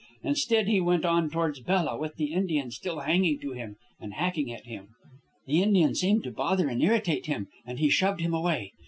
Instead, he went on towards Bella, with the Indian still hanging to him and hacking at him. The Indian seemed to bother and irritate him, and he shoved him away.